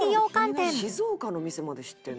「静岡の店まで知ってんの？」